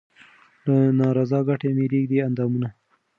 له نا رضا کټه مې رېږدي اندامونه